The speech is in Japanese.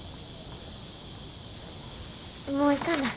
もう行かな。